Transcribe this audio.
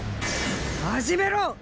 始めろっ！！